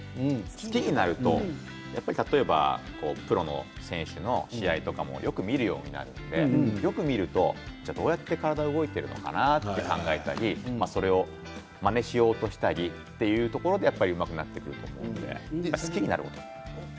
好きになると、例えばプロの選手の試合とかもよく見るようになってよく見るとどうやって体動いているのかなと考えたりそれを、まねしようとしたりというところでうまくなってくると思うので好きになること。